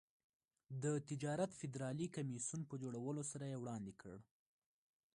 د تجارت فدرالي کمېسیون په جوړولو سره یې وړاندې کړ.